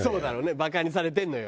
バカにされてるのよ。